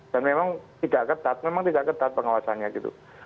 dan memang tidak ketat memang tidak ketat pengawasannya gitu